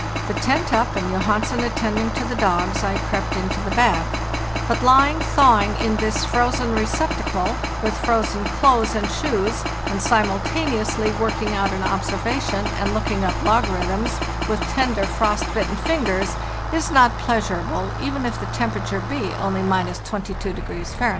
The tent up, and Johansen attending to the dogs, I crept into the bag; but lying thawing in this frozen receptacle, with frozen clothes and shoes, and simultaneously working out an observa ce) tion and looking up logarithms, with tender, frost bitten 176 FARTHEST NORTH fingers, is not pleasurable, even if the temperature be only —22° Fahr.